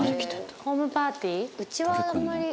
ホームパーティー？